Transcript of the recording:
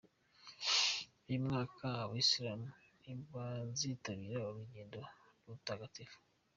Uyu mwaka Abayisilamu ntibazitabira urugendo rutagatifu